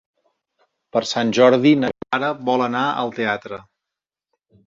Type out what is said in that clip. Per Sant Jordi na Clara vol anar al teatre.